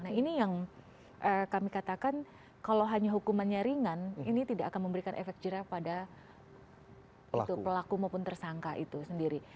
nah ini yang kami katakan kalau hanya hukumannya ringan ini tidak akan memberikan efek jerah pada pelaku maupun tersangka itu sendiri